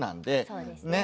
そうですね。